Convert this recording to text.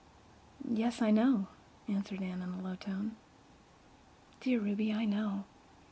"Yes, I know," answered Anne in a low tone. "Dear Ruby, I know."